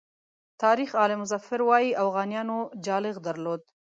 تاریخ آل مظفر وایي اوغانیانو جالغ درلود.